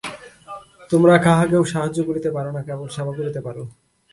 তোমরা কাহাকেও সাহায্য করিতে পার না, কেবল সেবা করিতে পার।